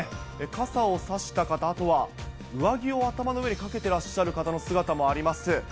傘を差した方、あとは上着を頭の上にかけてらっしゃる方の姿もあります。